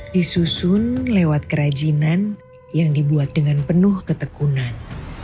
disusun lewat kerajinan yang dibuat dengan penuh ketekunan